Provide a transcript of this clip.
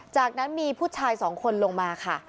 จากนั้นมีผู้ชายสองคนลงมาค่ะ